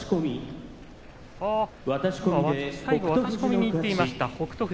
最後、渡し込みにいっていました北勝